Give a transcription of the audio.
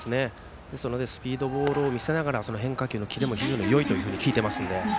スピードボールを見せながら、変化球のキレも非常にいいと聞いているので。